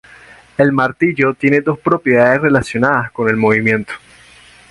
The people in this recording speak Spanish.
El martillo tiene dos propiedades relacionadas con el movimiento.